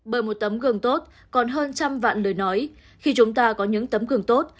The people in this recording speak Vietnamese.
bởi một tấm gương tốt còn hơn trăm vạn lời nói khi chúng ta có những tấm gương tốt